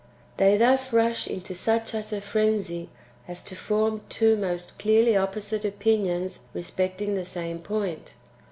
They thus rush into such utter frenzy, as to form two most clearly opposite opinions respecting the same point.